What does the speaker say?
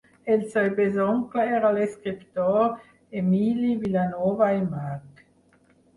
El seu besoncle era l'escriptor Emili Vilanova i March.